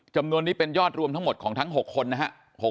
จำนวนนี้เป็นยอดรวมทั้งหมดถึง๖คนนะฮะ